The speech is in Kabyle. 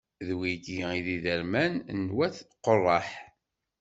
D wigi i d iderman n wat Quṛaḥ.